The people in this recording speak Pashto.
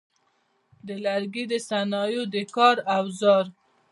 د لرګي د صنایعو د کار اوزار: